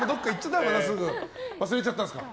忘れちゃったんですか？